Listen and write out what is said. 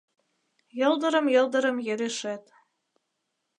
Йылдырым-йылдырым ерешет